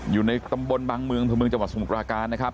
อยู่ในตำบลบางเมืองจังหวัดสมุกราการนะครับ